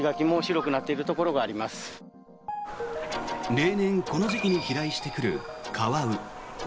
例年、この時期に飛来してくるカワウ。